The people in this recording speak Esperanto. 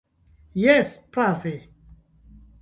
Jes, prave.